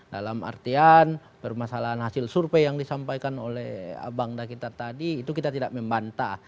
dalam artian permasalahan hasil survei yang disampaikan oleh abang dakita tadi itu kita tidak membantah